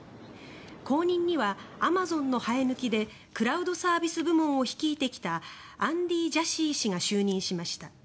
後任にはアマゾンの生え抜きでクラウドサービス部門を率いてきたアンディ・ジャシー氏が就任しました。